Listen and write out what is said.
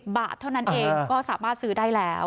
บาทเท่านั้นเองก็สามารถซื้อได้แล้ว